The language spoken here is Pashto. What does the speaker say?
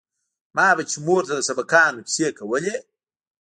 ما به چې مور ته د سبقانو کيسې کولې.